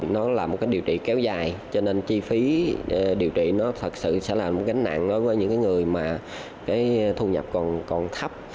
nó là một điều trị kéo dài cho nên chi phí điều trị nó thật sự sẽ là một gánh nặng với những người mà thu nhập còn thấp